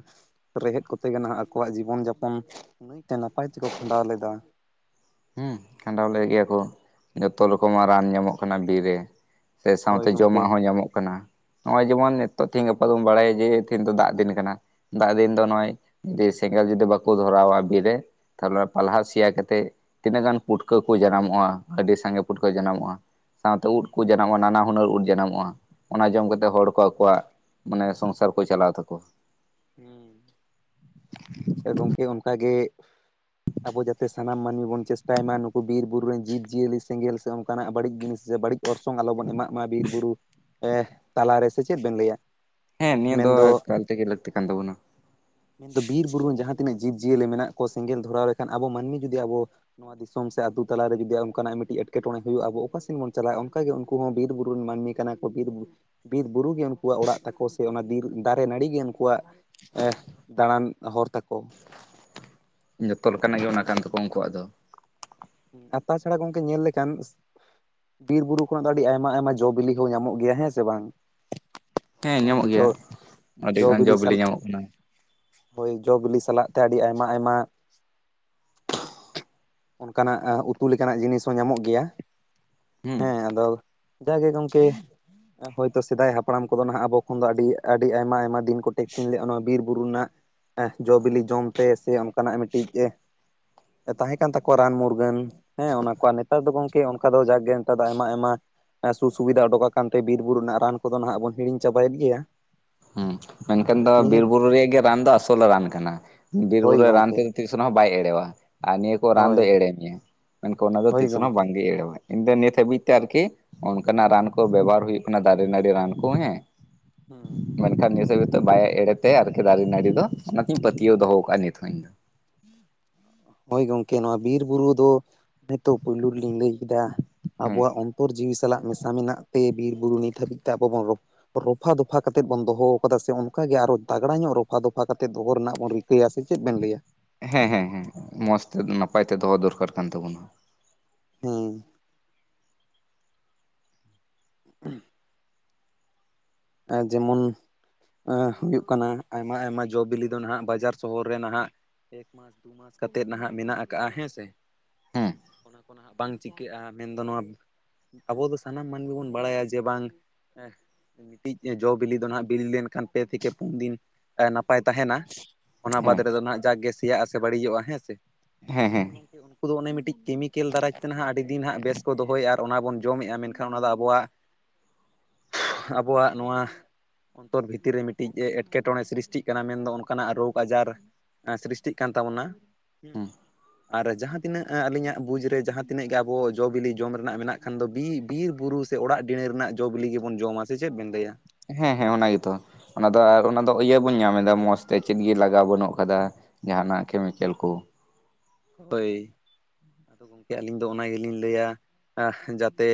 ᱨᱮᱦᱮᱫ ᱠᱚᱛᱮ ᱜᱮ ᱱᱟᱦᱟᱜ ᱟᱠᱚᱣᱟᱜ ᱡᱤᱵᱚᱱ ᱡᱟᱯᱚᱱ ᱱᱟᱭ ᱛᱮ ᱱᱟᱯᱟᱭ ᱛᱮᱠᱚ ᱠᱷᱟᱸᱰᱟᱣ ᱞᱮᱫᱟ᱾ ᱦᱩᱸ ᱠᱷᱟᱸᱰᱟᱣ ᱞᱮᱫ ᱜᱮᱭᱟ ᱠᱚ ᱡᱚᱛᱚ ᱨᱚᱠᱚᱢᱟᱜ ᱨᱟᱱ ᱧᱟᱢᱚᱜ ᱠᱟᱱᱟ ᱵᱤᱨ ᱨᱮ ᱥᱮ ᱦᱳᱭ ᱥᱟᱶᱛᱮ ᱡᱚᱢᱟᱜ ᱜᱚᱝᱠᱮ ᱦᱚᱸ ᱧᱟᱢᱚᱜ ᱠᱟᱱᱟ᱾ ᱱᱚᱜᱼᱚᱭ ᱡᱮᱢᱚᱱ ᱱᱤᱛᱚᱜ ᱛᱤᱦᱤᱧ ᱜᱟᱯᱟ ᱫᱚᱢ ᱵᱟᱲᱟᱭᱟ ᱡᱮ ᱛᱮᱦᱮᱧ ᱫᱚ ᱫᱟᱜ ᱫᱤᱱ ᱠᱟᱱᱟ᱾ ᱫᱟᱜ ᱫᱤᱱ ᱫᱚ ᱱᱚᱜᱼᱚᱭ ᱡᱩᱫᱤ ᱥᱮᱸᱜᱮᱞ ᱡᱩᱫᱤ ᱵᱟᱠᱚ ᱫᱷᱚᱨᱟᱣᱟ ᱵᱤᱨ ᱨᱮ ᱟᱨ ᱱᱚᱣᱟ ᱯᱟᱞᱦᱟ ᱥᱮᱭᱟ ᱠᱟᱛᱮᱫ ᱛᱤᱱᱟᱹᱜ ᱜᱟᱱ ᱯᱩᱴᱠᱟᱹ ᱠᱚ ᱡᱟᱱᱟᱢᱚᱜᱼᱟ ᱟᱹᱰᱤ ᱥᱟᱸᱜᱮ ᱯᱩᱴᱠᱟᱹ ᱡᱟᱱᱟᱢᱚᱜᱼᱟ ᱥᱟᱶᱛᱮ ᱩᱫ ᱠᱚ ᱡᱟᱱᱟᱢᱚᱜᱼᱟ ᱱᱟᱱᱟ ᱦᱩᱱᱟᱹᱨ ᱩᱫ ᱡᱟᱱᱟᱢᱚᱜᱼᱟ ᱚᱱᱟ ᱡᱚᱢ ᱠᱟᱛᱮᱫ ᱦᱚᱲ ᱠᱚ ᱟᱠᱚᱣᱟᱜ ᱢᱟᱱᱮ ᱥᱚᱝᱥᱟᱨ ᱠᱚ ᱪᱟᱞᱟᱣ ᱛᱟᱠᱚᱣᱟ᱾ ᱦᱮᱸ ᱜᱚᱢᱠᱮ ᱚᱱᱠᱟᱜ ᱜᱮ ᱟᱵᱚ ᱡᱟᱛᱮ ᱥᱟᱱᱟᱢ ᱢᱟᱹᱱᱢᱤ ᱵᱚᱱ ᱪᱮᱥᱴᱟᱭ ᱢᱟ ᱱᱩᱠᱩ ᱵᱤᱨ ᱵᱩᱨᱩ ᱨᱮᱱ ᱡᱤᱵᱽ ᱡᱤᱭᱟᱹᱞᱤ ᱥᱮᱸᱜᱮᱞ ᱥᱮ ᱚᱱᱠᱟᱱᱟᱜ ᱵᱟᱹᱲᱤᱡ ᱡᱤᱱᱤᱥ ᱥᱮ ᱵᱟᱹᱲᱤᱡ ᱚᱨᱥᱚᱝ ᱟᱞᱚᱵᱚᱱ ᱮᱢᱟᱜ ᱢᱟ ᱵᱤᱨ ᱵᱩᱨᱩ ᱛᱟᱞᱟᱨᱮ ᱥᱮ ᱪᱮᱫ ᱵᱮᱱ ᱞᱟᱹᱭᱟ᱾ ᱦᱮᱸ ᱱᱤᱭᱟᱹ ᱫᱚ ᱢᱮᱱᱫᱚ ᱮᱠᱟᱞ ᱛᱮᱜᱮ ᱞᱟᱹᱠᱛᱤ ᱠᱟᱱ ᱛᱟᱵᱚᱱᱟ᱾ ᱦᱮᱸ ᱡᱟᱦᱟᱸ ᱛᱤᱱᱟᱹᱜ ᱡᱤᱵᱽ ᱡᱤᱭᱟᱹᱞᱤ ᱢᱮᱱᱟᱜ ᱠᱚ ᱥᱮᱸᱜᱮᱞ ᱫᱷᱚᱨᱟᱣ ᱞᱮᱠᱷᱟᱱ ᱟᱵᱚ ᱢᱟᱹᱱᱢᱤ ᱡᱩᱫᱤ ᱟᱵᱚ ᱱᱚᱣᱟ ᱫᱤᱥᱚᱢ ᱥᱮ ᱟᱹᱛᱩ ᱛᱟᱞᱟᱨᱮ ᱡᱩᱫᱤ ᱚᱱᱠᱟᱱᱟᱜ ᱢᱤᱫᱴᱤᱡ ᱮᱴᱠᱮᱴᱚᱬᱮ ᱦᱩᱭᱩᱜᱼᱟ ᱟᱵᱚ ᱚᱠᱟ ᱥᱮᱫ ᱵᱚᱱ ᱪᱟᱞᱟᱜᱼᱟ ᱚᱱᱠᱩ ᱜᱮ ᱩᱱᱠᱩ ᱦᱚᱸ ᱦᱚ ᱵᱤᱨ ᱵᱩᱨᱩ ᱨᱮᱱ ᱢᱟᱹᱱᱢᱤ ᱠᱟᱱᱟ ᱵᱤᱨ ᱵᱤᱨ ᱵᱩᱨᱩ ᱜᱮ ᱩᱱᱠᱩᱣᱟᱜ ᱚᱲᱟᱜ ᱛᱟᱠᱚ ᱥᱮ ᱚᱱᱟ ᱵᱤᱨ ᱫᱟᱨᱮ ᱱᱟᱹᱲᱤ ᱜᱮ ᱩᱱᱠᱩᱣᱟᱜ ᱮ ᱫᱟᱬᱟᱱ ᱦᱚᱨ ᱛᱟᱠᱚ᱾ ᱡᱚᱛᱚ ᱞᱮᱠᱟᱱᱟᱜ ᱜᱮ ᱚᱱᱟ ᱠᱟᱱ ᱛᱟᱠᱚᱣᱟ ᱩᱱᱠᱩᱣᱟᱜ ᱫᱚ, ᱟᱨ ᱛᱟᱪᱷᱟᱲᱟ ᱜᱚᱝᱠᱮ ᱧᱮᱞ ᱞᱮᱠᱷᱟᱱ ᱵᱤᱨ ᱵᱩᱨᱩ ᱠᱷᱚᱱᱟᱜ ᱫᱚ ᱟᱹᱰᱤ ᱟᱭᱢᱟ ᱟᱭᱢᱟ ᱡᱚᱼ ᱵᱤᱞᱤ ᱦᱚᱸ ᱧᱟᱢᱚᱜ ᱜᱮᱭᱟ ᱦᱮᱸ ᱥᱮ ᱵᱟᱝ ᱦᱮᱸ ᱧᱟᱢᱚᱜ ᱜᱮᱭᱟ ᱟᱹᱰᱤᱜᱟᱱ ᱡᱚ ᱵᱤᱞᱤ ᱧᱟᱢᱚᱜ ᱠᱟᱱᱟ ᱦᱳᱭ ᱡᱚ ᱵᱤᱞᱤ ᱥᱟᱞᱟᱜ ᱛᱮ ᱟᱹᱰᱤ ᱟᱭᱢᱟ ᱟᱭᱢᱟ, ᱚᱱᱠᱟᱱᱟᱜ ᱩᱛᱩ ᱞᱮᱠᱟᱱᱟᱜ ᱡᱤᱱᱤᱥ ᱦᱚᱸ ᱧᱟᱢᱚᱜ ᱜᱮᱭᱟ ᱦᱩᱸ ᱦᱮᱸ ᱟᱫᱚ, ᱡᱟᱜᱮ ᱜᱚᱝᱠᱮ ᱦᱳᱭᱛᱳ ᱥᱮᱫᱟᱭ ᱦᱟᱯᱲᱟᱢ ᱠᱚᱫᱚ ᱱᱟᱦᱟᱜ ᱟᱵᱚ ᱠᱷᱚᱱ ᱫᱚ ᱟᱹᱰᱤ ᱟᱹᱰᱤ ᱟᱭᱢᱟ ᱟᱭᱢᱟ ᱫᱤᱱ ᱠᱚᱴᱮᱠᱥᱤᱱ ᱞᱮᱫᱼᱟ ᱱᱚᱣᱟ ᱵᱤᱨ ᱵᱩᱨᱩ ᱨᱮᱱᱟᱜ ᱮ ᱡᱚ ᱵᱤᱞᱤ ᱡᱚᱢᱛᱮ ᱥᱮ ᱠᱟᱱᱟᱜ ᱢᱤᱫᱴᱤᱡ ᱮ ᱛᱟᱦᱮᱸ ᱠᱟᱱ ᱛᱟᱠᱚ ᱠᱚ ᱨᱟᱱ ᱢᱩᱨᱜᱟᱹᱱ ᱦᱮᱸ ᱚᱱᱟ ᱠᱚ ᱱᱮᱛᱟᱨ ᱫᱚ ᱜᱚᱝᱠᱮ ᱚᱱᱠᱟ ᱫᱚ ᱡᱟᱠᱜᱮ ᱱᱮᱛᱟᱨ ᱫᱚ ᱟᱭᱢᱟ ᱟᱭᱢᱟ ᱥᱩ ᱥᱩᱵᱤᱫᱷᱟ ᱚᱰᱩᱠ ᱟᱠᱟᱱᱛᱮ ᱵᱤᱨ ᱵᱩᱨᱩ ᱨᱮᱱᱟᱜ ᱨᱟᱱ ᱠᱚᱫᱚ ᱱᱟᱦᱟᱜ ᱵᱚᱱ ᱦᱤᱲᱧ ᱪᱟᱵᱟᱭᱮᱫ ᱜᱮᱭᱟ, ᱦᱩᱸ ᱢᱮᱱᱠᱷᱟᱱ ᱟᱨ ᱫᱚ ᱵᱤᱨ ᱱᱤᱦᱟᱹᱛ ᱵᱩᱨᱩ ᱨᱮᱭᱟᱜ ᱜᱮ ᱨᱟᱱ ᱫᱚ ᱟᱥᱚᱞ ᱨᱟᱱ ᱠᱟᱱᱟ ᱵᱤᱨ ᱵᱩᱨᱩ ᱦᱳᱭ ᱨᱟᱱ ᱜᱚᱝᱠᱮ ᱛᱮ ᱛᱤᱥ ᱨᱮᱦᱚᱸ ᱵᱟᱭ ᱮᱲᱮᱣᱟ ᱟᱨ ᱱᱤᱭᱟᱹ ᱠᱚ ᱨᱟᱱ ᱫᱚᱭ ᱦᱳᱭ ᱮᱲᱮ ᱢᱮᱭᱟ ᱢᱮᱱᱠᱷᱟᱱ ᱚᱱᱟ ᱫᱚ ᱦᱳᱭ ᱛᱤᱥ ᱨᱮᱦ ᱦᱚᱸ ᱜᱚᱢᱠᱮ ᱵᱟᱝᱜᱮ ᱮᱲᱮᱟᱭ ᱤᱧ ᱫᱚ ᱱᱤᱛ ᱦᱟᱹᱵᱤᱡ ᱛᱮ ᱟᱨᱠᱤ ᱚᱱᱠᱟᱱᱟᱜ ᱨᱟᱱ ᱠᱚ ᱵᱮᱵᱚᱦᱟᱨ ᱦᱩᱭᱩᱜ ᱠᱟᱱᱟ ᱫᱟᱨᱮ ᱱᱟᱹᱲᱤ ᱨᱟᱱ ᱠᱚ ᱦᱮᱸ ᱦᱮᱸ ᱢᱮᱱᱠᱷᱟᱱ [unintelligible] ᱜᱮᱛᱚ ᱵᱟᱭ ᱮᱲᱮᱛᱮ ᱟᱨᱠᱤ ᱫᱟᱨᱮ ᱱᱟᱹᱲᱤ ᱫᱚ ᱚᱱᱟᱛᱮᱧ ᱯᱟᱹᱛᱭᱟᱹᱣ ᱫᱚᱦᱚ ᱠᱟᱜᱼᱟ ᱱᱤᱛᱦᱚ [unintelligible] ᱦᱳᱭ ᱜᱚᱝᱠᱮ ᱱᱚᱣᱟ ᱵᱤᱨ ᱵᱩᱨᱩ ᱫᱚ ᱱᱤᱛᱳ ᱯᱳᱭᱞᱳ ᱨᱮᱞᱤᱧ ᱞᱟᱹᱭ ᱠᱮᱫᱟ ᱦᱮᱸ ᱟᱵᱚᱣᱟᱜ ᱚᱱᱛᱚᱨ ᱡᱤᱣᱤ ᱥᱟᱞᱟᱜ ᱢᱮᱥᱟ ᱢᱮᱱᱟᱜ ᱛᱮ ᱵᱤᱨᱵᱩᱨᱩ ᱱᱤᱛ ᱦᱟᱹᱵᱤᱡ ᱛᱮ ᱟᱵᱚ ᱵᱚᱱ ᱨᱚᱯ ᱨᱚᱯᱷᱟ ᱫᱚᱯᱷᱟ ᱠᱟᱛᱮᱫ ᱵᱚᱱ ᱫᱚᱦᱚ ᱠᱟᱫᱟ ᱥᱮ ᱚᱱᱠ ᱜᱮ ᱟᱨᱚ ᱛᱟᱜᱲᱟᱧᱚᱜ ᱧᱚᱜ ᱨᱚᱯᱷᱟ ᱫᱚᱯᱷᱟ ᱠᱟᱛᱮ ᱫᱚᱦᱚ ᱨᱮᱱᱟᱜ ᱵᱚᱱ ᱨᱤᱠ ᱭᱟ ᱥᱮ ᱪᱮᱫ? ᱵᱮᱱ ᱞᱟᱹᱭᱟ ᱾ ᱦᱮᱸ ᱦᱮᱸ ᱦᱮᱸ ᱢᱚᱸᱡᱽ ᱛᱮ ᱱᱟᱯᱟᱭ ᱛᱮ ᱫᱚᱦᱚ ᱫᱚᱨᱠᱟᱨ ᱠᱟᱱ ᱛᱟᱵᱚᱱᱟ ᱾ ᱦᱮᱸ [inaudible] ᱟᱻ ᱡᱮᱢᱚᱱ, ᱟᱸᱦ ᱦᱩᱭᱩᱜ ᱠᱟᱱᱟ ᱟᱭᱢᱟ ᱟᱭᱢᱟ ᱡᱚ ᱵᱤᱞᱤ ᱫᱚ ᱱᱟᱦᱟᱜ ᱵᱟᱡᱟᱨ ᱥᱚᱦᱚᱨ ᱨᱮ ᱱᱟᱦᱟᱜ ᱢᱟᱥ ᱫᱩ ᱢᱟᱥ ᱠᱟᱛᱮᱫ ᱱᱟᱦᱟᱜ ᱢᱮᱱᱟᱜ ᱟᱠᱟᱫᱼᱟ ᱦᱮᱸ ᱥᱮ᱾ ᱦᱮᱸ ᱚᱱᱟ ᱠᱚ ᱱᱟᱦᱟᱜ ᱵᱟᱝ ᱪᱤᱠᱟᱹᱜᱼᱟ ᱢᱮᱱᱫᱚ ᱱᱚᱣᱟ ᱟᱵᱚ ᱫᱚ ᱥᱟᱱᱟᱢ ᱢᱟᱹᱱᱢᱤ ᱵᱚᱱ ᱵᱟᱲᱟᱭᱟ ᱡᱮ ᱵᱟᱝ ᱦᱮᱸᱦ, ᱢᱤᱫᱴᱤᱡ ᱡᱚ ᱵᱤᱞᱤ ᱫᱚ ᱱᱟᱦᱟᱸᱜ ᱵᱤᱞᱤ ᱞᱮᱱᱠᱷᱟᱱ ᱯᱮ ᱛᱷᱮᱠᱮ ᱯᱩᱱ ᱫᱤᱱ ᱱᱟᱯᱟᱭ ᱛᱟᱦᱮᱱᱟ ᱚᱱᱟ ᱵᱟᱫᱽ ᱦᱮᱸ ᱨᱮᱫᱚ ᱦᱟᱜ ᱡᱟᱠ ᱜᱮ ᱥᱮᱭᱟᱜ ᱟ ᱥᱮ ᱵᱟᱹᱲᱤᱡᱚᱜᱼᱟ ᱦᱮᱸ ᱥᱮ ᱦᱮᱸ ᱦᱮᱸ ᱢᱮᱱᱠᱷᱟᱱ ᱦᱮᱸ ᱜᱚᱝᱠᱮ ᱩᱱᱠᱩ ᱫᱚ ᱚᱱᱮ ᱢᱤᱫᱴᱤᱡ ᱠᱮᱢᱤᱠᱮᱞ ᱫᱟᱨᱟᱡᱽ ᱛᱮ ᱦᱟᱸᱜ ᱟᱹᱰᱤ ᱫᱤᱱ ᱦᱟᱸᱜ ᱵᱮᱥ ᱠᱚ ᱫᱚᱦᱚᱭᱮᱫ ᱟᱨ ᱚᱱᱟ ᱵᱚᱱ ᱡᱚᱢᱮᱫᱼᱟ ᱢᱮᱱᱠᱷᱟᱱ ᱚᱱᱟ ᱫᱚ ᱟᱵᱚᱣᱟᱜ ᱟᱵᱚᱣᱟᱜ ᱱᱚᱣᱟ ᱚᱱᱛᱚᱨ ᱵᱷᱤᱛᱤᱨ ᱨᱮ ᱢᱤᱫᱴᱤᱡ ᱮᱴᱠᱮᱴᱚᱬᱮ ᱥᱨᱤᱥᱴᱤᱜ ᱠᱟᱱᱟ ᱢᱮᱱᱫᱚ ᱚᱱᱠᱟᱱᱟᱜ ᱨᱳᱜᱽ ᱟᱡᱟᱨ ᱮᱸ ᱥᱨᱤᱥᱴᱤᱜ ᱠᱟᱱ ᱛᱟᱵᱚᱱᱟ ᱾ ᱦᱮᱸ ᱦᱮᱸ [inaudible] ᱟᱨ ᱡᱟᱦᱟᱸ ᱛᱤᱱᱟᱹᱜ ᱟᱹᱞᱤᱧᱟᱜ ᱵᱩᱡᱽ ᱨᱮ ᱡᱟᱦᱟᱸ ᱛᱤᱱᱟᱹᱜ ᱜᱮ ᱟᱵᱚ ᱡᱚ ᱵᱤᱞᱤ ᱡᱚᱢ ᱨᱮᱱᱟᱜ ᱢᱮᱱᱟᱜ ᱠᱷᱟᱱ ᱫᱚ ᱵᱤ ᱵᱤᱨ ᱵᱩᱨᱩ ᱥᱮ ᱚᱲᱟᱜ ᱰᱤᱺᱬᱟᱹ ᱨᱮᱱᱟᱜ ᱡᱚ ᱵᱤᱞᱤ ᱜᱮᱵᱚᱱ ᱡᱚᱢᱟ ᱥᱮ ᱪᱮᱫ ᱵᱮᱱ ᱞᱟᱹᱭᱟ? ᱦᱮᱸ ᱦᱮᱸ ᱚᱱᱟ ᱜᱮᱛᱚ ᱚᱱᱟᱫᱚ ᱚᱱᱟ ᱫᱚ ᱤᱭᱟᱹ ᱵᱚᱱ ᱧᱟᱢ ᱮᱫᱟ ᱢᱚᱸᱥᱽ ᱛᱮ ᱪᱮᱫ ᱜᱮ ᱞᱟᱜᱟᱣ ᱵᱟᱹᱱᱩᱜ ᱟᱠᱟᱫᱟ᱾ ᱡᱟᱦᱟᱱᱟᱜ ᱠᱮᱢᱤᱠᱮᱞ ᱠᱚ, ᱦᱳᱭ ᱫᱚ ᱜᱚᱝᱠᱮ ᱟᱹᱞᱤᱧ ᱫᱚ ᱚᱱᱟ ᱜᱮᱞᱤᱧ ᱞᱟᱹᱭᱟ ᱟᱸᱦ ᱡᱟᱛᱮ,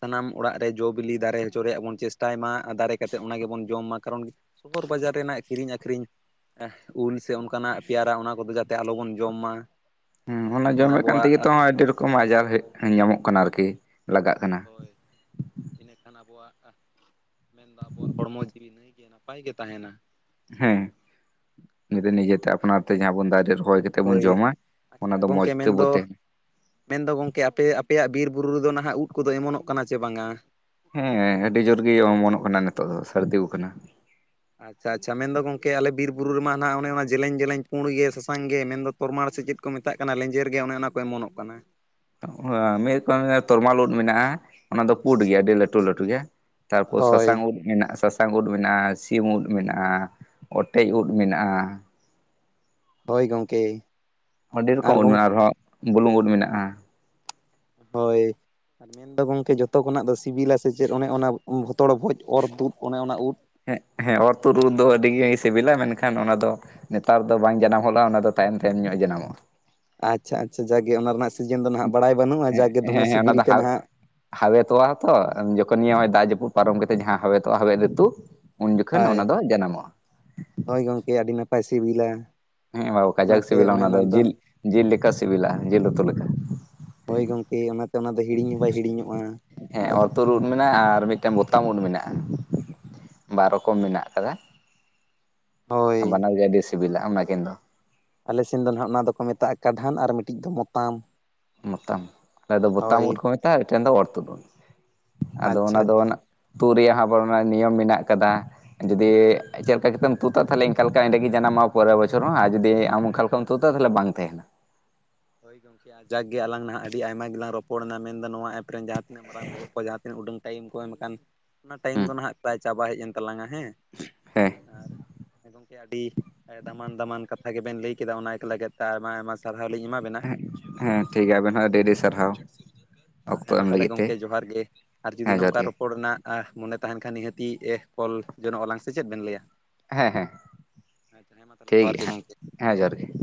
ᱥᱟᱱᱟᱢ ᱚᱲᱟᱜ ᱨᱮ ᱡᱚ ᱵᱤᱞᱤ ᱫᱟᱨᱮ ᱦᱚᱪᱚ ᱨᱮᱭᱟᱜ ᱵᱚᱱ ᱪᱮᱥᱴᱟᱭ ᱢᱟ᱾ ᱫᱟᱨᱮ ᱠᱟᱛᱮᱫ ᱚᱱᱟ ᱜᱮᱵᱚᱱ ᱡᱚᱢ ᱢᱟ ᱠᱟᱨᱚᱱ ᱥᱚᱫᱚᱨ ᱵᱟᱡᱟᱨ ᱨᱮᱱᱟᱜ ᱠᱤᱨᱤᱧ ᱟᱹᱠᱷᱨᱤᱧ ᱮᱦ ᱩᱞ ᱥᱮ ᱚᱱᱠᱟᱱᱟᱜ ᱛᱮᱭᱟᱨᱟ ᱚᱱᱟ ᱠᱚᱫᱚ ᱡᱟᱛᱮ ᱟᱞᱚᱵᱚᱱ ᱡᱚᱢ ᱢᱟ ᱾ ᱦᱮᱸ ᱚᱱᱟ ᱡᱚᱢᱮᱫ ᱠᱟᱱ ᱛᱮᱜᱮ ᱛᱚ ᱟᱹᱰᱤ ᱨᱚᱠᱚᱢ ᱟᱡᱟᱨ ᱦᱮᱜ ᱧᱟᱢᱚᱜ ᱠᱟᱱᱟ ᱟᱨᱠᱤ ᱞᱟᱜᱟᱜ ᱠᱟᱱᱟ ᱾ ᱦᱳᱭ ᱤᱱᱟᱹᱠᱷᱟᱱ ᱟᱵᱚᱣᱟᱜ ᱢᱮᱱᱫᱚ ᱟᱵᱚᱣᱟᱜ ᱦᱚᱲᱢᱚ ᱡᱤᱣᱤ ᱱᱟᱹᱭ ᱜᱮ ᱱᱟᱯᱟᱭ ᱜᱮ ᱛᱟᱦᱮᱱᱟ ᱾ ᱦᱮᱸ ᱱᱤᱡᱮᱛᱮ ᱟᱯᱱᱟᱨ ᱛᱮ ᱡᱟᱦᱟᱸ ᱵᱚᱱ ᱫᱟᱨᱮ ᱨᱚᱦᱚᱭ ᱮᱫ ᱛᱮᱵᱚᱱ ᱦᱳᱭ ᱡᱚᱢᱟ ᱟᱪᱪᱷᱟ ᱚᱱᱟ ᱫᱚ ᱢᱚᱸᱡᱽ ᱜᱚᱝᱠᱮ ᱛᱮᱵᱚ ᱢᱮᱱᱫᱚ ᱛᱟᱦᱮᱱ ᱢᱮᱱᱫᱚ ᱜᱚᱝᱠᱮ ᱟᱯᱮ ᱟᱯᱮᱭᱟᱜ ᱵᱤᱨ ᱵᱩᱨᱩ ᱨᱮᱫᱚ ᱱᱟᱦᱟᱜ ᱩᱫ ᱠᱚᱫᱚ ᱮᱢᱚᱱᱚᱜ ᱠᱟᱱᱟ ᱪᱮ ᱵᱟᱝᱼᱟ? ᱦᱮᱸ ᱟᱹᱰᱤ ᱡᱳᱨ ᱜᱮ ᱚᱢᱚᱱᱚᱜ ᱠᱟᱱᱟ ᱱᱤᱛᱚᱜ ᱫᱚ ᱥᱟᱹᱨᱫᱤ ᱟᱠᱟᱱᱟ ᱾ ᱟᱪᱪᱷᱟ ᱟᱪᱪᱷᱟ ᱢᱮᱱᱫᱚ ᱜᱚᱝᱠᱮ ᱟᱞᱮ ᱵᱤᱨ ᱵᱩᱨᱩ ᱨᱮᱢᱟ ᱦᱟᱱᱟ ᱚᱱᱮ ᱚᱱᱟ ᱡᱮᱞᱮᱧ ᱡᱮᱞᱮᱧ ᱯᱩᱸᱰ ᱜᱮ ᱥᱟᱥᱟᱝ ᱜᱮ ᱢᱮᱱᱫᱚ ᱛᱚᱨᱚᱢᱟᱲ ᱥᱮ ᱪᱮᱫ ᱠᱚ ᱢᱮᱛᱟᱜ ᱠᱟᱱᱟ ᱞᱮᱸᱡᱮᱨ ᱜᱮ ᱚᱱᱮ ᱚᱱᱟ ᱠᱚ ᱮᱢᱚᱱᱚᱜ ᱠᱟᱱᱟ ᱾ ᱚᱸᱦ ᱢᱤᱫ ᱨᱚᱠᱚᱢ ᱛᱚᱨᱢᱟᱲ ᱩᱫ ᱢᱮᱱᱟᱜᱼᱟ, ᱚᱱᱟ ᱫᱚ ᱯᱩᱸᱰ ᱜᱮᱭᱟ ᱟᱹᱰᱤ ᱞᱟᱹᱴᱩ ᱞᱟᱹᱴᱩ ᱜᱮᱭᱟ ᱾ ᱛᱟᱨᱯᱚᱨ ᱥᱟᱥᱟᱝ ᱦᱳᱭ ᱩᱞ ᱢᱮᱱᱟᱜᱼᱟ ᱥᱟᱥᱟᱝ, ᱥᱟᱝ ᱩᱫ ᱢᱮᱱᱟᱜᱼᱟ ᱥᱤᱢ ᱩᱫ ᱢᱮᱱᱟᱜᱼᱟ ᱚᱴᱮᱡ ᱩᱫ ᱢᱮᱱᱟᱜᱼᱟ ᱾ ᱦᱳᱭ ᱜᱚᱝᱠᱮ᱾ ᱟᱹᱰᱤ ᱨᱚᱠᱚᱢ ᱟᱨ ᱩᱫ ᱜᱚᱝ ᱢᱮᱱᱟᱜᱼᱟ ᱟᱨᱦᱚᱸ ᱵᱩᱞᱩᱝ ᱩᱫ ᱢᱮᱱᱟᱜᱼᱟ᱾ ᱦᱳᱭ [inaudible] ᱢᱮᱱᱫᱚ ᱜᱚᱝᱠᱮ ᱡᱷᱚᱛᱚ ᱠᱷᱚᱱᱟᱜ ᱫᱚ ᱥᱤᱵᱤᱞᱟ ᱥᱮ ᱪᱮᱫ ᱚᱱᱮ ᱚᱱᱟ ᱵᱷᱚᱛᱚᱲ ᱵᱷᱚᱡ ᱚᱨ ᱛᱩᱫ ᱚᱱᱮ ᱚᱱᱟ ᱩᱫ ᱦᱮᱸ ᱦᱮᱸ ᱚᱨ ᱛᱩᱫ ᱩᱫ ᱫᱚ ᱟᱹᱰᱤ ᱜᱮ ᱥᱤᱵᱤᱞᱟ ᱢᱮᱱᱠᱷᱟᱱ ᱚᱱᱟ ᱫᱚ ᱱᱮᱛᱟᱨ ᱫᱚ ᱵᱟᱝ ᱡᱟᱱᱟᱢ ᱦᱚᱜᱼᱟ ᱚᱱᱟ ᱫᱚ ᱛᱟᱭᱚᱢ ᱛᱟᱭᱚᱢ ᱧᱚᱜ ᱮ ᱡᱟᱱᱟᱢᱚᱜᱼᱟ ᱾ ᱟᱪᱪᱷᱟ ᱟᱪᱪᱷᱟ ᱡᱟᱜᱮ ᱚᱱᱟ ᱨᱮᱱᱟᱜ ᱥᱤᱡᱟ. ᱱ ᱫᱚ ᱱᱟᱦᱟᱜ ᱵᱟᱲᱟᱭ ᱵᱟᱹᱱᱩᱜᱼᱟ ᱡᱟᱜᱮ ᱫᱚᱢᱮ ᱥᱤᱵᱤᱞ ᱛᱮ ᱱᱟᱦᱟᱜ, ᱦᱟᱣᱮᱫ ᱛᱚᱜᱼᱟ ᱛᱚ ᱡᱚᱠᱷᱚᱱ ᱱᱤᱭᱟᱹ ᱱᱟᱜ ᱫᱟᱜ ᱡᱟᱹᱯᱩᱫ ᱯᱟᱨᱚᱢ ᱠᱟᱛᱮᱜ ᱡᱟᱦᱟᱸ ᱦᱟᱸ ᱦᱟᱣᱮᱫ ᱛᱚᱜᱼᱟ ᱦᱟᱣᱮᱫ ᱨᱤᱛᱩ ᱩᱱ ᱡᱚᱠᱷᱚᱱ ᱦᱳᱭ ᱚᱱᱟ ᱫᱚ ᱡᱟᱱᱟᱢᱚᱜᱼᱟ᱾ ᱦᱳᱭ ᱜᱚᱝᱠᱮ ᱟᱹᱰᱤ ᱱᱟᱯᱟᱭ, ᱯᱟᱭ ᱥᱤᱵᱤᱞᱟ ᱦᱮᱸ ᱵᱟ ᱵᱟᱠᱟᱡ ᱥᱤᱵᱤᱞᱟ, ᱚᱱᱟ ᱫᱚ ᱡᱤᱞ ᱡᱤᱞ ᱞᱮᱠᱟ ᱥᱤᱵᱤᱞᱟ ᱡᱤᱞ ᱩᱛᱩ ᱞᱮᱠᱟ ᱾ ᱦᱳᱭ ᱜᱚᱢᱠᱮ ᱚᱱᱟᱛᱮ ᱚᱱᱟ ᱫᱚ ᱦᱤᱲᱤᱧ ᱦᱚᱸ ᱵᱟᱭ ᱦᱤᱲᱤᱧᱚᱜᱼᱟ ᱦᱮᱸ ᱚᱨ ᱛᱩᱫ ᱾ ᱩᱫ ᱦᱮᱸ ᱢᱮᱱᱟᱜᱼᱟ ᱟᱨ ᱢᱤᱫ ᱴᱮᱱ ᱵᱳᱚᱛᱟᱢᱚᱱ ᱢᱮᱱᱟᱜᱼᱟ ᱵᱟᱨ ᱨᱚᱠᱚᱢ ᱢᱮᱱᱟᱜ ᱟᱠᱟᱫᱟ ᱦᱳᱭ ᱵᱟᱱᱟᱣ ᱜᱮ ᱟᱹᱰᱤ ᱥᱤᱵᱤᱞᱟ ᱚᱱᱟ ᱠᱤᱱ ᱫᱚ ᱟᱞᱮ ᱥᱮᱱ ᱫᱚ ᱱᱟᱦᱟᱜ ᱚᱱᱟ ᱫᱚᱠᱚ ᱢᱮᱛᱟᱜᱼᱟ ᱠᱟᱰᱷᱟᱱ ᱟᱨ ᱢᱤᱫᱴᱤᱡ ᱫᱚ ᱢᱚᱛᱟᱢ ᱢᱚᱛᱟᱢ ᱟᱞᱮ ᱫᱚ ᱵᱚᱛᱟᱢ ᱩᱫ ᱦᱳᱭ ᱠᱚ ᱢᱮᱛᱟᱜᱼᱟ ᱢᱤᱫᱴᱮᱱ ᱫᱚ ᱚᱨ ᱛᱩᱫ ᱩᱫ ᱟᱫᱚ ᱚᱱᱟ ᱟᱪᱪᱷᱟ ᱫᱚ ᱟᱪᱪᱷᱟ ᱛᱩᱜ ᱨᱮᱭᱟᱜ ᱦᱚᱸ ᱟᱵᱟᱨ ᱚᱱᱟ ᱱᱤᱭᱚᱢ ᱢᱮᱱᱟᱜ ᱠᱟᱫᱟ ᱡᱩᱫᱤ ᱪᱮᱫ ᱞᱮᱠᱟ ᱠᱟᱛᱮᱢ ᱛᱩᱫ ᱛᱟᱦᱚᱞᱮ ᱤᱱᱠᱟ ᱞᱮᱠᱟ ᱚᱸᱰᱮ ᱜᱮ ᱡᱟᱱᱟᱢᱢᱚᱜᱼ ᱟ ᱯᱚᱨᱮᱨ ᱵᱚᱪᱷᱚᱨ ᱦᱚᱸ ᱟᱨ ᱡᱩᱫᱤ ᱟᱢᱚᱱᱠᱟ ᱞᱮᱠᱷᱟ ᱛᱩᱫᱟ ᱛᱟᱦᱚᱞᱮ ᱵᱟᱝ ᱛᱟᱦᱮᱱᱟ ᱦᱳᱭ ᱜᱚᱝᱠᱮ ᱟᱡᱟᱠ ᱜᱮ ᱟᱞᱟᱝ ᱱᱟᱦᱟᱜ ᱟᱹᱰᱤ ᱟᱭᱢᱟ ᱜᱮᱞᱟᱝ ᱨᱚᱯᱚᱲᱮᱱᱟ ᱢᱮᱱᱫᱚ ᱱᱚᱣᱟ ᱮᱯᱨᱮ ᱨᱮᱱ ᱡᱟᱦᱟᱸ ᱛᱤᱱᱟᱹᱜ ᱢᱟᱨᱟᱝ ᱵᱚᱦᱚᱜ ᱠᱚ ᱡᱟᱦᱟᱸ ᱛᱤᱱᱟᱹᱜ ᱩᱰᱟᱹᱝ ᱴᱟᱭᱤᱢ ᱠᱚ ᱮᱢ ᱠᱟᱱ ᱚᱱᱟ ᱴᱟᱭᱤᱢ ᱦᱩᱸ ᱫᱚ ᱱᱟᱦᱟᱜ ᱯᱨᱟᱭ ᱪᱟᱵᱟ ᱦᱮᱡ ᱮᱱ ᱛᱟᱞᱟᱝᱟ ᱦᱮᱸ ᱦᱮᱸ ᱟᱨ ᱟᱹᱰᱤ ᱫᱟᱢᱟᱱ ᱫᱟᱢᱟᱱ ᱠᱟᱛᱷᱟ ᱜᱮᱵᱮᱱ ᱞᱟᱹᱭ ᱠᱮᱫᱟ ᱚᱱᱟ ᱞᱟᱹᱜᱤᱫ ᱛᱮ ᱟᱭᱢᱟ ᱟᱭᱢᱟ ᱥᱟᱨᱦᱟᱣ ᱞᱤᱧ ᱮᱢᱟ ᱵᱮᱱᱟ ᱦᱮᱸ ᱴᱷᱤᱠ ᱜᱮᱭᱟ ᱟᱵᱮᱱ ᱦᱚᱸ ᱟᱹᱰᱤ ᱟᱹᱰᱤ ᱥᱟᱨᱦᱟᱣ ᱚᱠᱛᱚ ᱦᱮᱸ ᱢᱟ ᱮᱢ ᱛᱟᱦᱚᱞᱮ ᱞᱟᱹᱜᱤᱫ ᱛᱮ ᱜᱚᱢᱠᱮ ᱡᱚᱦᱟᱨ ᱜᱮ ᱟᱨ ᱡᱩᱫᱤ ᱦᱮᱸ ᱡᱚᱦᱟᱨ ᱱᱚᱝᱠᱟ ᱨᱚ ᱜᱮ ᱨᱚᱯᱚᱲ ᱨᱮᱱᱟᱜ ᱢᱚᱱᱮ ᱛᱟᱦᱮᱱ ᱠᱷᱟᱱ ᱱᱤᱦᱟᱹᱛᱤ ᱮ ᱠᱚᱞ ᱡᱚᱱᱚᱜ ᱟᱞᱟᱝ ᱥᱮ ᱪᱮᱫ ᱵᱮᱱ ᱞᱟᱹᱭᱟ ᱦᱮᱸ ᱦᱮᱸ ᱟᱪᱪᱷᱟ ᱦᱮᱸ ᱢᱟ ᱛᱟᱦᱚᱞᱮ ᱴᱷᱤᱠ ᱡᱚᱦᱟᱨ ᱜᱮᱭᱟ ᱜᱮ ᱦᱟᱸᱜ ᱜᱚᱝᱠᱮ ᱦᱮᱸ ᱡᱚᱦᱟᱨ ᱜᱮ